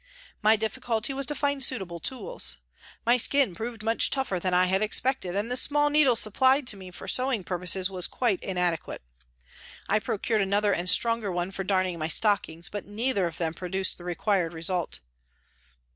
My difficulty was to find suitable tools. " A TRACK TO THE WATER'S EDGE " 165 My skin proved much tougher than I had expected and the small needle supplied to me for sewing purposes was quite inadequate. I procured another and stronger one for darning my stockings, but neither of them produced the required result.